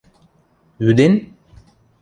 – Ӱден?